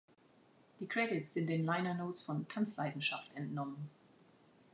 Die Credits sind den Liner Notes von „Tanzleidenschaft“ entnommen.